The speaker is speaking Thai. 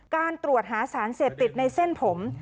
การตรวจหาสารเสพติดในเส้นผม